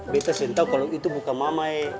beda sentau kalau itu bukan mama eh